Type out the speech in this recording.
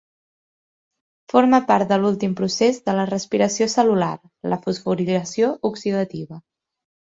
Forma part de l'últim procés de la respiració cel·lular, la fosforilació oxidativa.